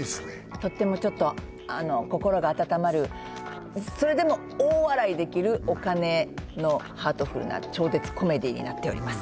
とってもちょっと心が温まるそれでも大笑いできるお金のハートフルな超絶コメディーになっております